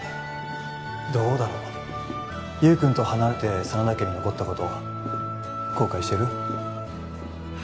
どうだろう優くんと離れて真田家に残ったこと後悔してる？